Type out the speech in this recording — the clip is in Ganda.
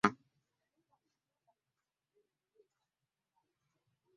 Tuyinza kukola tutya okusiga empisa mu baana?